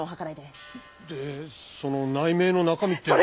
えでその内命の中身ってのは。